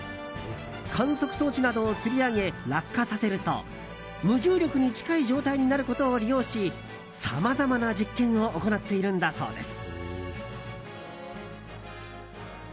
観測装置などをつり上げ落下させると無重力に近い状態になることを利用しさまざまな実験を行っているんだそうです。